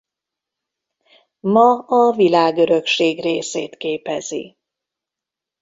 Ma a Világörökség részét képezi.